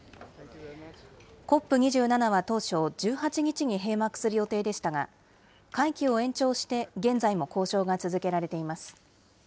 ＣＯＰ２７は当初、１８日に閉幕する予定でしたが、会期を延長して現在も交渉が続けられています。